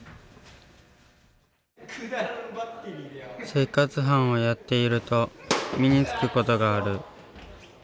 生活班をやっていると身につくことがある。